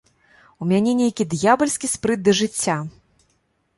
У мяне нейкі д'ябальскі спрыт да жыцця.